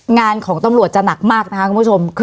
งานของตำรวจจะหนักมากนะคะคุณผู้ชม